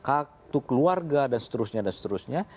atau keluarga dan seterusnya